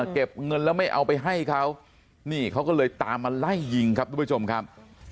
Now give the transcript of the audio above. เก็บเงินแล้วไม่เอาไปให้เขานี่เขาก็เลยตามมาไล่ยิงครับทุกผู้ชมครับ